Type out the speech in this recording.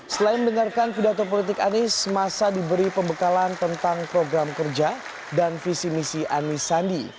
selain mendengarkan pidato politik anies masa diberi pembekalan tentang program kerja dan visi misi anis sandi